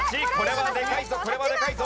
これはでかいぞ。